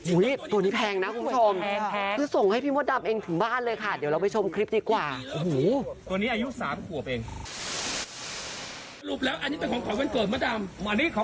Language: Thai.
ตัวนี้แพงนะคุณผู้ชมคือส่งให้พี่มดดำเองถึงบ้านเลยค่ะเดี๋ยวเราไปชมคลิปดีกว่า